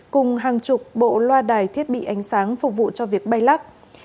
cùng hàng chục bộ loa đài thiết bị ánh sáng phục vụ cho việc bay lắc